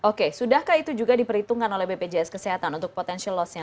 oke sudahkah itu juga diperhitungkan oleh bpjs kesehatan untuk potential loss nya